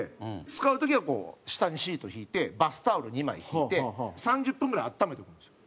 使う時はこう下にシート敷いてバスタオル２枚敷いて３０分ぐらい温めておくんですよ。